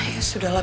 ya sudah lah